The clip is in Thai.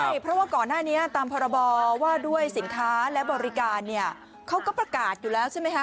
ใช่เพราะว่าก่อนหน้านี้ตามพรบว่าด้วยสินค้าและบริการเนี่ยเขาก็ประกาศอยู่แล้วใช่ไหมคะ